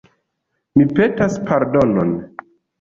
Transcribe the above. Mi petas pardonon.